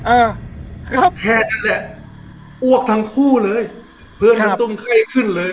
อ่าครับแค่นั้นแหละอวกทั้งคู่เลยครับเพื่อนมันตุ้งไข้ขึ้นเลย